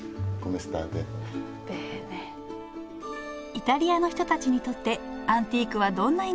イタリアの人たちにとってアンティークはどんな意味を持つのか。